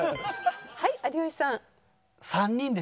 はい有吉さん。